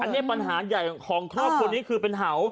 อันนี้ปัญหาใหญ่ของครอบครัวนี้คือเป็นเห่า